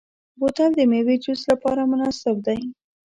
بوتل د میوې جوس لپاره مناسب دی.